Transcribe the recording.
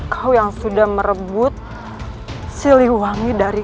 kau yang sudah merebut siliwangi dari